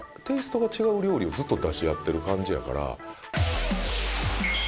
テイストが違う料理をずっと出し合ってる感じやから。